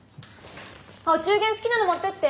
あっお中元好きなの持ってって。